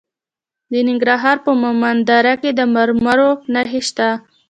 د ننګرهار په مومند دره کې د مرمرو نښې شته.